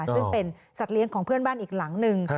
ซึ่งเป็นสัตว์เลี้ยงของเพื่อนบ้านอีกหลังหนึ่ง